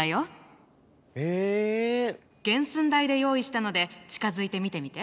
原寸大で用意したので近づいて見てみて。